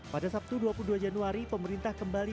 pada sabtu dua puluh dua januari